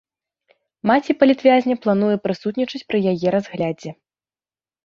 Маці палітвязня плануе прысутнічаць пры яе разглядзе.